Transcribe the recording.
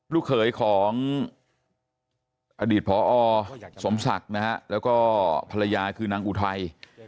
ลูกเขยของอดีตพอสมศักดิ์นะฮะแล้วก็ภรรยาคือนางอุทัย